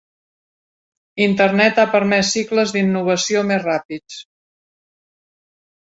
Internet ha permès cicles d'innovació més ràpids.